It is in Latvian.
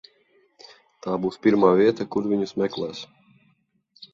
Tā būs pirmā vieta, kur viņus meklēs.